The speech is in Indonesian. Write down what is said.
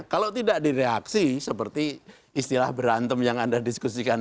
kalau tidak direaksi seperti istilah berantem yang anda diskusikan